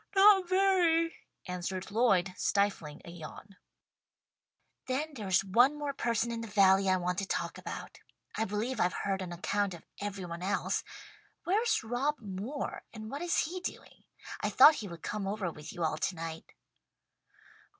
"Not very," answered Lloyd, stifling a yawn. "Then there's one more person in the valley I want to ask about. I believe I've heard an account of every one else. Where's Rob Moore and what is he doing? I thought he would come over with you all tonight."